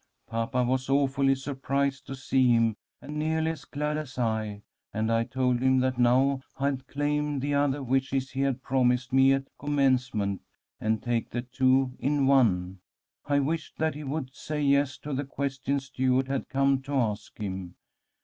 Papa was awfully surprised to see him, and nearly as glad as I, and I told him that now I'd claim the other wishes he had promised me at Commencement, and take the two in one. I wished that he would say yes to the question Stuart had come to ask him.